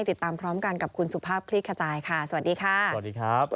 ติดตามพร้อมกันกับคุณสุภาพคลี่ขจายค่ะสวัสดีค่ะสวัสดีครับ